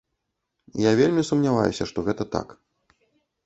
Я вельмі сумняваюся, што гэта так.